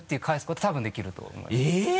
返すことは多分できると思います。